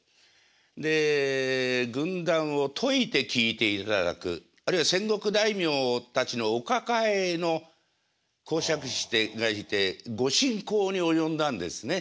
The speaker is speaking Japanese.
で軍談を説いて聴いていただくあるいは戦国大名たちのお抱えの講釈師がいてご進講に及んだんですね。